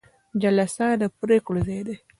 جلسه د پریکړو ځای دی